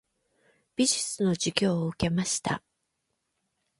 美術の授業を受けました。